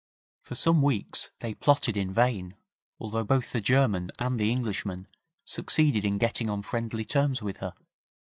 For some weeks they plotted in vain, although both the German and the Englishman succeeded in getting on friendly terms with her.